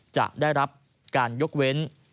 จะได้รับการยกเว้น